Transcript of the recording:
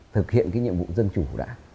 thực hiện nhiệm vụ dân chủ đã